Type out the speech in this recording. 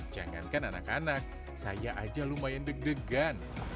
jangankan anak anak saya aja lumayan deg degan